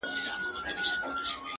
مگر سر ستړی په سودا مات کړي,